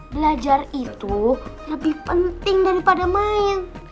belajar itu lebih penting daripada main